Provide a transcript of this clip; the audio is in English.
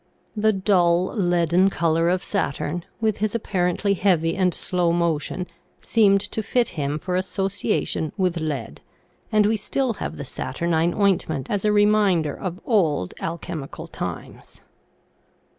The dull, leaden color of Saturn, with his apparently heavy and slow motion, seemed to fit him for association with lead, and we still have the saturnine ointment as a reminder of old alchemical times.